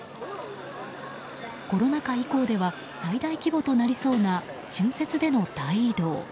コロナ禍以降では最大規模となりそうな春節での大移動。